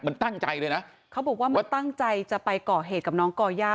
มันตั้งใจเลยนะเขาบอกว่ามันตั้งใจจะไปก่อเหตุกับน้องก่อย่า